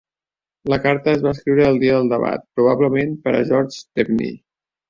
La carta es va escriure el dia del debat, probablement per a George Stepney.